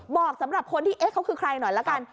บอกสำหรับคนที่เอ๊ะเขาคือใครหน่อยละกัน